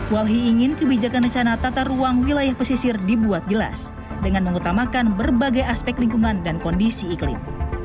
walhi ingin kebijakan rencana tata ruang wilayah pesisir dibuat jelas dengan mengutamakan berbagai aspek lingkungan dan kondisi iklim